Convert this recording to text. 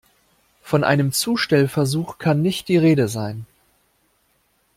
Von einem Zustellversuch kann nicht die Rede sein.